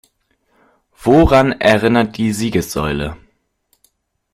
Woran erinnert die Siegessäule?